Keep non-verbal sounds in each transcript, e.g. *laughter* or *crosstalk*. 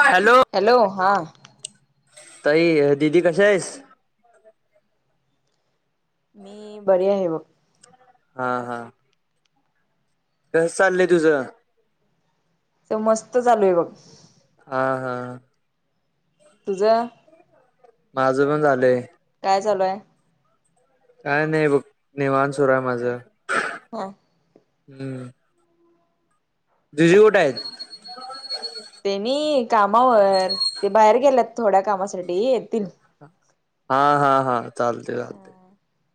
Hello. Hello हा. ताई दीदी कश्या आहेस? मी बरी आहे बघ. हा हा. कस चाललंय तुझं? मस्त चालू आहे बघ. हा हा. तुझ? माझं पण झालंय. काय चालूय? काय नाही बघ. निेवाण सुरू आहे माझं. हा. हम्म जिजू कुठ आहेत तेनी कामावर ते बाहेर गेल्यात थोड्या कामासाठी येतील हा, हा, हा चालतय चालतय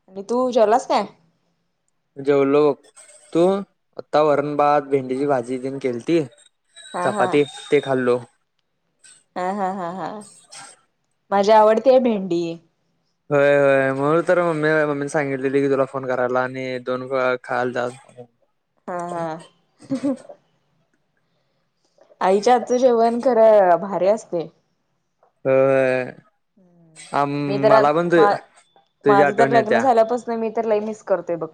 आणि तू जेवलास काय जेवलो बघ तू आता वरण, भात, भेंडीची भाजी तेन केलती हा हा चपाती ते खाल्लो हा, हा, हा, हा माझी आवडती आहे भेंडी होय होय मग तर म्मी मम्मी सांगितलेली की तुला फोन करायला आणि दोन खायला जा ह हा, हा आईच्या हातच जेवण खरं भारी असतय होय आम मी तर आज मला पण तु पा तुझी माझं तर आठवण लग्न येत्या झाल्या पासून मी तर लई मिस करतोय बघ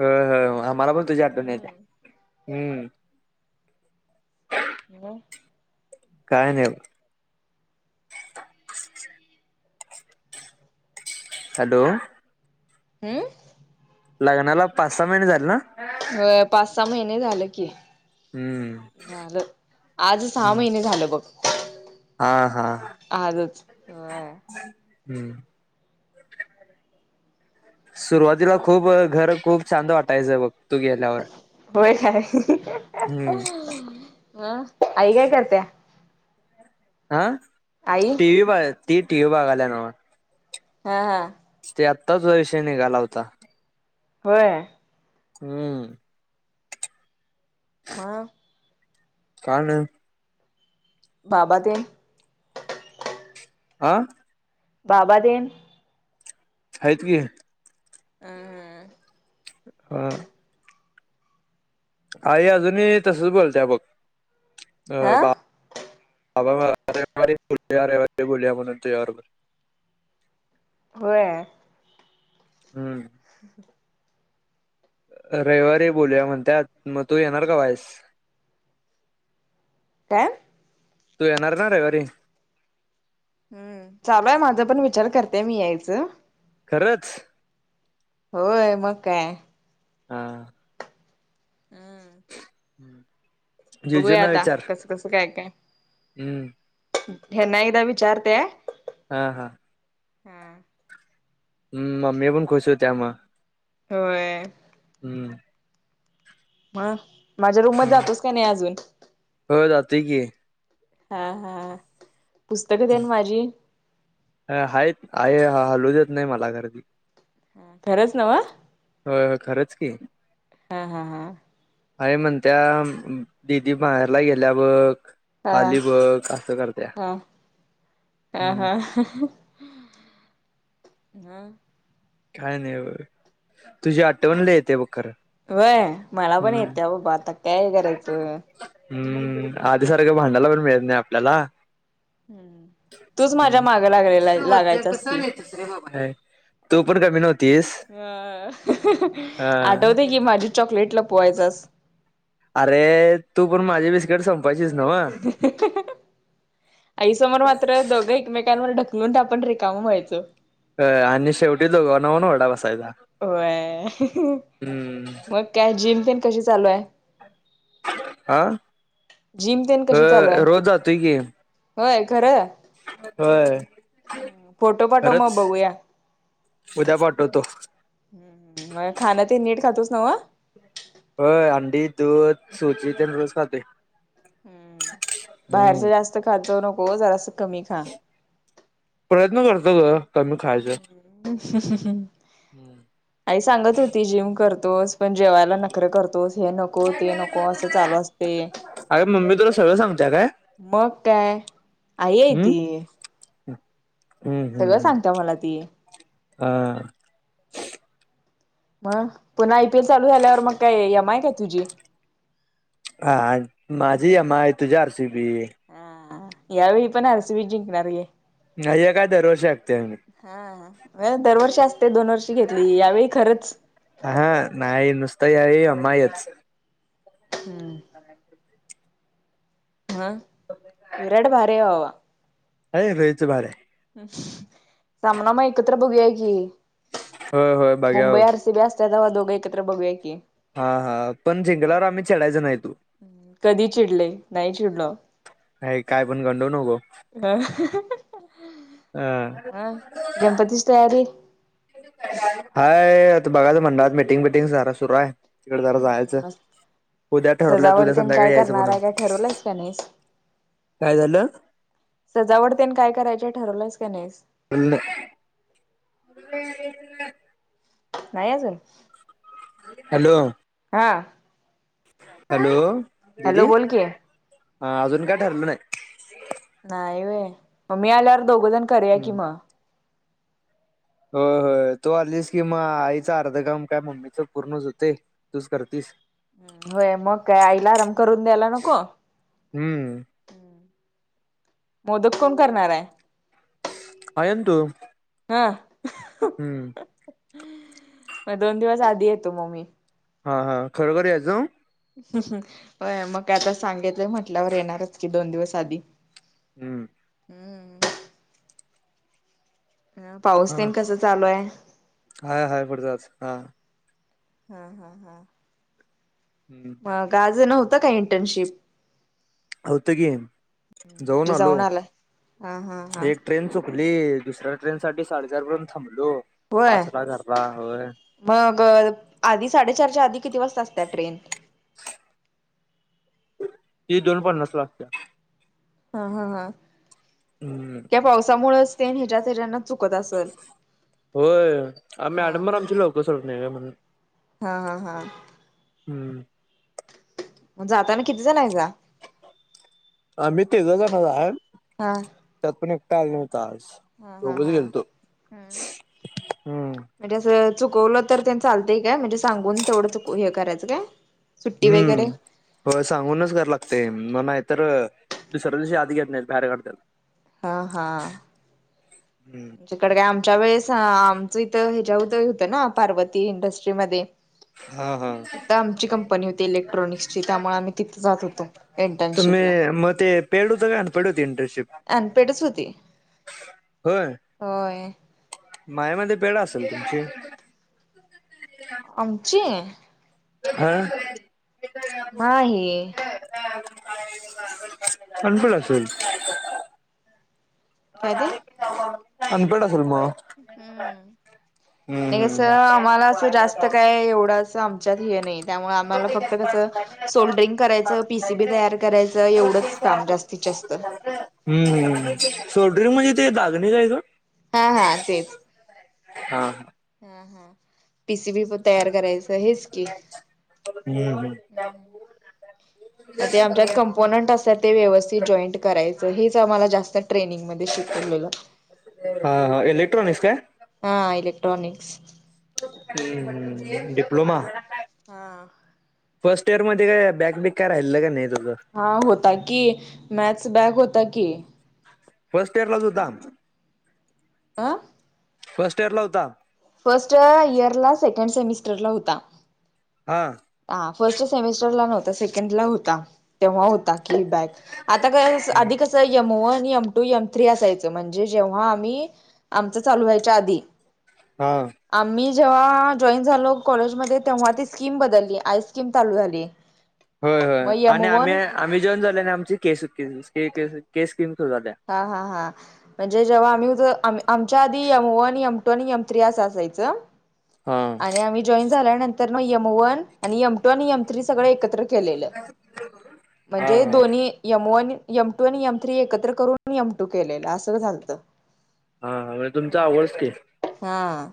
होय, होय आम्हाला पण तुझीआठवण येत्या हम्म हॅलो काय नाही बघ हॅलो हम लग्नाला पाच, सहा महिने झाले ना अ पाच, सहा महिने झाल की हम्म झालं आज सहा महिने झालं बघ आ हा आजच होय. हम्म सुरुवातीला खूप घर खूप शांत वाटायचंय बघ तू गेल्यावर होय काय हम्म म आई काय करत्या आ आई ती टी व्ही बघ ती टी व्ही बघायला नव्ह ह हा ते आत्ताच विषय निघाला होता होय हम्म म काय नाही बाबा तेन आ बाबा तेन हायत की ह, ह हा आई अजून ही तसच बोलत्या बघ अ हा. बा *unintelligible* म्हणून तुझ्या बरोबर होय हम्म ह रविवारी बोलूया म्हणत्यात मग तू येणार कवा यस काय? तू येणार ना रविवारी? हम्म चालूय माझा पण विचार करतेय मी यायचं. खरंच? होय मग काय. हा हम्म हम्म बघूया आता कसं कसं काय काय हम्म हेना एकदा विचारते? हा हा हा हम्म मम्मी पण खुश होती मग होय हम्म मग माझ्या रूम मध्ये जातोस का नाही अजून? होय जातोय कि हा हा पुस्तकं तेन माझी? आहेत आई हालवू देत नाही मला खरं खरंच नव्ह? होय हो खरंच की. हा हा हा आई म्हणत्या दिदी माहेरला गेल्या वर हा आली बघ असं करते करत्या ह मग? काय नाही बघा तुझी आठवणं लय येती बघ खरं होय मला पण हम्म येते बाबा आता काय करायचं? हम्म आधी सारखं भांडायला पण मिळत नाही आपल्याला हम्म तूच माझ्या मागं लागलेला लागायचं कस नाही तुसरे बाबा *unintelligible* हम्म हा आठवते की माझी चॉकलेटला लपवायचास अरे तू पण माझी बिस्किट सपवून संपायची नव्ह. आई समोर मात्र दोघं एकमेका ढकलून तर आपण रिकामा व्हायचो अ आणि शेवटी दोघांना पण ओरडा बसायचा. होय हम्म मग काय जिम तेन कशी चालू आहे? हा जिम तेन अ कशी चालू आहे? रोज जातोय की होय खरं होय फोटो पाठव खरंच. मग बघूया. उद्या पाठवतो. होय मग खाणं ते नीट खातोच नव्ह? होय अंडी, दूध, सुजी तेन रोज खातोय. हम्म, बाहेरच हम्म जास्त खात जाऊ नको जरासं कमी खा. प्रयत्न करतो गं कमी खायचं. *inaudible* हम्म. आई सांगत होती जिम करतोस पण जेवायला नखर करतोस हे न को ते नको असं चालू असतंय. अरे मम्मी तुला सगळं सांगत्या काय? मग काय आई आहे हम्म. ती. हम्म हम्म सगळं हम्म सांगत्या मला ती हा. म पुन्हा आय पी एल चालू झाल्यावर मग काय एम आय काय तुझी? हा माझी एम आय तुझी आर सी बी. हा यावेळी पण आर सी बी चं जिंकणार घे. क्त याय नाहीत. आ ह दरवर्षी असते दोन वर्षी घेतली यावेळी खरंच ह हा नाही नुसतं यावेळी एम् आय चं. हम्म. *unintelligible* हा विराट भारी आहे बावा. आहे लईच भारी आहे. सामना मग एकत्र बघूया की, होय होय मुंबई बघ्याव आर सी बी अस त्या तवा दोघं एकत्र बघूया की. हा हा पण जिंकल्यावर आम्ही चिडायचं नाही तु. कधी चिडले नाही चिडलो हे कायपण गंडवू नको. अ म गणपतीची तयारी? हाय आता बघालय मंडळात मीटिंग बिटिंग जरा सुरू आहे. तिकडं जरा जायचं. मस्त. उद्या ठरवल्यात सजावट उद्या तेन संध्याकाळी काय यायचं करणार म्हणून, आहे काय ठरवलंयस का नाहीस काय झालं? सजावट तेन काय करायची आहे ठरवलास का नाहीस? ऊन्न नाही अजून. हॅलो. हा. हॅलो दिदी, हॅलो बोल की हा अजून काय ठरलं नाही. नाही व्हयं, मग मी आल्यावर दोघंजण करूया की हम्म. मग. होय होय तू आलीस की म आईचं अर्ध काम काय मम्मीच पूर्णचं होतंय तूच करतीस. होय मग काय आईला आराम करून द्यायला नको. हम्म मोदक कोण करणार आहे? आई आणि तु. हा. हम्म. मग दोन दिवस आधी येतो म मी. हा हा खरोखर यायचं हं. होय मग काय आता सांगितलंय म्हटल्यावर येणारचं की दोन दिवस आधी. हम्म हम्म ह पाऊस हा तेन कसं चालू आहे? हाय हाय पडतात, हा हा हा हा. हम्म मग आज नव्हतं काय इंटर्नशिप? आलत कि, जाऊन म्हणजे आलो. आलाय? हा हा हा एक ट्रेन चुकली दुसऱ्या ट्रेन साठी साडेचार पर्यंत थांबलो, होय पाच ला घरला. होय मग आधी साडेचारच्या आधी किती वाजता असत्या ट्रेन? ती दोन पन्नास ला असत्या. हा, हा, हा. हम्म त्या पावसामुळेच तेन, हेज्या-तेज्यान चुकत असल. होय, हा मॅडम पन आमची लवकर सोडत नाही ग म्हणून. हा हा हा हम्म म जाताना किती जण हायिसा? आम्ही तिघ जणच हाय. हा त्यात पण एकटा आला नव्हता आज. हा हा दोघच हा गेलतो. हम्म. हम्म म्हणजे असं, चुकवलं तर तेन चालतंय काय म्हणजे सांगून तेवढं चुक हे करायचं काय? सुट्टी वगैरे हम्म होय सांगूनच करांयला लागतय, नाहीतर दुसऱ्या दिवशी आत घेत नाहीत बाहेर काढत्यात. हा हा हं जिकड काय आमच्या वेळेस आमचं इथं हेच्याव तळी होतं ना पार्वती इंडस्ट्रीमध्ये. हा हा तिथं आमची कंपनी होती इलेक्ट्रॉनिक्सची त्यामुळे आम्ही तिथं जात होतो. तुम्ही इंटर्नशिपला म ते पेड होत का अनपेड होती इंटर्नशिप? अनपेडच होती. होय? होय मायामध्ये पेड असेल तुमची आमची? हा नाही अनपेड असेल काय ते अनपेड असेल मग. हम्म हम्म आणि कस, हम्म. आम्हाला असं जास्त काय एवढं अस आम च्यात हे नाही. त्यामुळे आम्हाला फक्त कसं, सोल्डरिंग करायचं, पीसी बी तयार करायचं एवढंच काम जास्त हम्म, सोल्ड्रिंक म्हणजे ते डागणी काय ग? हा हा तेच हा हा हा पीसी बी तयार करायचं हेच की. *unintelligible* *inaudible* हम्म ते आमच्यात कम्पोनंट असतात. ते व्यवस्थित जॉईंट करायचं हेच आम्हाला जास्त ट्रेनिंगमध्ये शिकवलेलं. हा हा इलेक्ट्रॉनिक्स काय? हा इलेक्ट्रॉनिक्स. *unintelligible* डिप्लोमा हा. फर्स्ट इयर मध्ये काय बॅकबेक काय राहिलं का नाही तुझं. हा होता की मॅथ्स बॅग होता की. फर्स्ट इयर लाच होता. आ. फर्स्ट इयर ला होता. फर्स्ट इयर ला सेकंड सेमिस्टरला होता. हा. हा फर्स्ट सेमेस्टरला नव्हता सेकंड ला होता. तेव्हा होता की बॅक. आता काय आधिक कसं M one, M two, M three असायचं म्हणजे जेव्हा आम्ही आमचं चालू व्हायच्या आधी हा. आम्ही जेव्हा जॉईन झालो कॉलेजमध्ये तेव्हा ती स्कीम बदलली. आईस्क्रीम चालू झाली. होय, होय मग यम आणि वन आम्हीही जॉईन झाल्या आची केस केस स्कीम सुरू झाल्या. हा. हा. हा. म्हणजे जेव्हा आम्ही उ आमच्या आधी यम वन, यम टु आणि यम *inaudible* त्रि अस असायचं. हा. आणि आम्ही जॉईन झाल्यानंतर म यम वन आणि यम टू आणि एम थ्री सगळं एकत्र केलेलं, हा म्हणजे हा दोन्ही M one, M two, M three एकत्र करून मटू *inaudible* केलेलं असं झालतं. हा *inaudible* म्हज तुमचा *inaudible* आवडस के हा,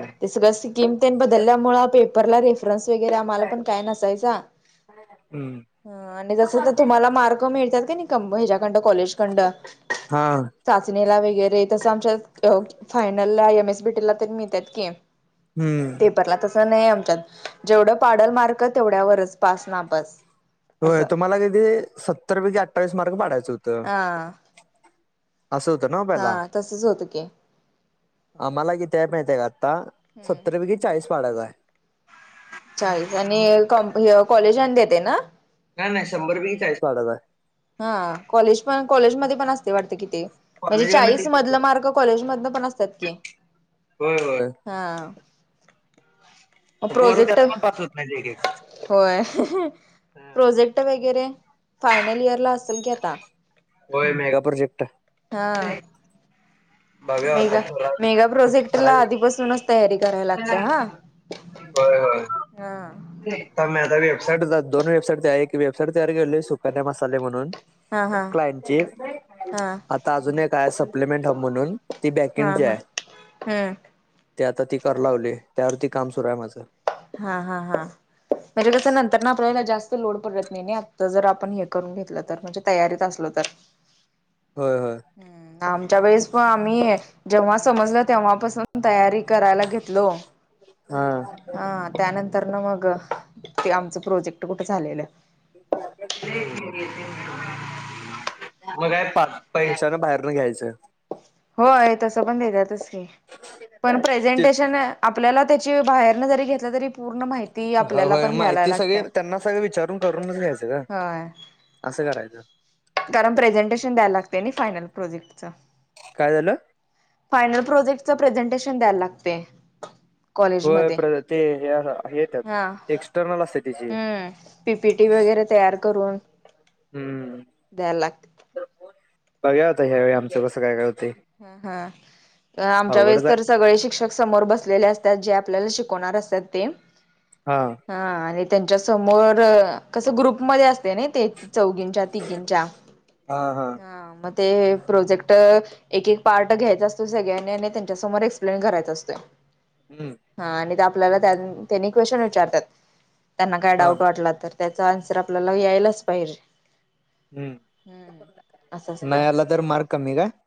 ते सगळं स्कीम बदलल्यामुळे पेपरला रे *inaudible* फ्स वगैरे आम्हाला पण काय नसायचा. हम्म. ह आणि जस तर तुम्हाला मार्क मिळतात का नाही कबन ह्याच्यायाकड कॉलेज कडन. हा चाचणीला वगैरे तसं आमच्या फायनल ला एम एस बीटी ला तरी मिळत की. हम्म. पेपरला तस नाही आमच्यात, जेवढं पाडल मार्क तेवढ्यावरच पास नापास. होय तुम्हाला कधी सत्तर पैकी आठाविस मार्क पाडायचं. हा. अस होत ना पेला. हा तसच होतं की आम्हाला किती आहे माहिती आहे का आत्ता. सत्तर पैकी चाळीस *inaudible* पाडालाय चाळीस आणि क कॉलेज आणि *inaudible* येते ना नाही नाही शंभर पैकी चाळीस *inaudible* मार्काचा हा कॉलेज पण कॉलेज मध्ये पण असतय वाटत की ते म्हणजे कॉलेजकडनं चाळीस तीस मधल होत्यात. मार्क कॉलेज मधन पण असत्यात की होय होय. हा तर पोरं त्यात प्रोजेक्ट, पण पास होत नाहीत एक एक. होय! प्रोजेक्ट वगैरे फायनल इयर ला असल की आता होय मेगा प्रोजेक्ट हा होय. *unintelligible* *inaudible* बघा मेगा होतय मेगा प्रोजेक्टला काय आधीपासूनच तयारी करायला लागते जरा होय होय हां. मी आता वेबसाईट दोन वेबसाईट तयार एक वेबसाईट तयार केलोय सुकन्या मसाले म्हणून हा हा क्लाइंटची हा आता अजून एक हाय सप्लिमेंट हब म्हणून ती हा बँकेजी हा हाय हम्म ती आता ती करा लागलोय त्यावरती काम सुरू हाय माझं हा हा हा. म्हणजे तस नंतर ना आपल्याला जास्त लोड पडत नाय नय, आता जर आपण हे करून घेतलं तर म्हणजे तयारीत असलो तर होय होय. आमच्या वेळेस पण, आम्ही जेव्हा समजलं तेव्हापासून तयारी करायला घेतलो. हां. हा, त्यानंतरन मग ते आमचं प्रोजेक्ट कुठं झालेलं *unintelligible* म काय पाच पैशान बाहेरन घ्यायचं. होय. तसं पण देत्यातच की पण ते प्रेझेंटेशन आपल्याला त्याची बाहेरन जरी घेतलं, तरी पूर्ण माहि हो होय. माहिती सगळी त्यांना सगळ विचारून करूनच घ्यायचं ग होय असं करायचं. कारण प्रेझेंटेशन द्यायला लागतय. नय फायनल प्रोजेक्टच काय झालं? फायनल प्रोजेक्टच प्रेझेंटेशन द्यायला लागतय. होय. प्रे ते हे ह हे ये हा त्यात एक्स्टर्नल असतय त्याची पी पी टी वगैरे तयार करून हूं द्यायला लाग बघूया आता ह्यावेळी आमचं कसं काय काय होतय. अ ह आमच्या वेळेस आहे तर सगळे शिक्षक समोर बसलेले असतात. जे आपल्याला शिकवणार असत्यात ते हा. हा आणि त्यांच्या समोर कसं ग्रुपमध्ये असतय नय ते चौघींच्या, तिघींच्या हा हा. हा म ते प्रोजेक्ट एक एक पार्ट घ्यायचा असतो. सगळ्यांनी आणि त्यांच्यासमोर एक्सप्लेन करायचा असतोय. हूं हा आणि ते आपल्याला त्यां त्यांनी क्वेशन विचारतात. त्यांना काय हा डाऊट वाटला तर त्याचा अन्सर आपल्याला यायलाच पाहिजे. असं हम्म, असतय नाय आला तर मार्क कमी काय?